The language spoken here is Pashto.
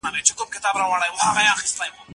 كوم لاسونه به مرۍ د قاتل نيسي